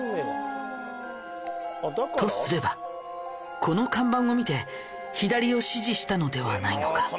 とすればこの看板を見て左を指示したのではないのか？